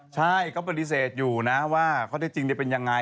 ใช่ก็ปฏิเสธอยู่นะว่าข้อเท็จจริงเนี่ยเป็นยังไง